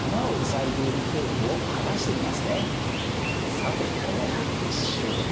さてどうなるでしょう？